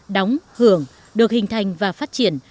đóng hưởng được hình thành và phát triển